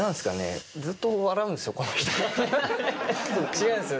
違うんですよ